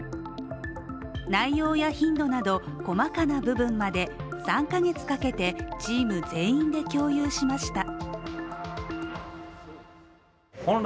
内容や頻度など細かな部分まで３カ月かけてチーム全員で共有しました。